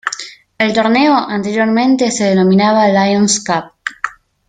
El torneo anteriormente se denominaba Lions Cup.